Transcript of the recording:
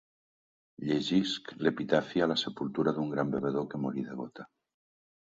Llegisc l'epitafi a la sepultura d'un gran bevedor que morí de gota.